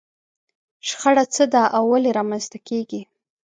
شخړه څه ده او ولې رامنځته کېږي؟